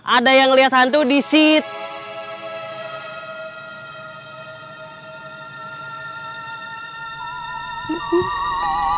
ada yang melihat hantu di situ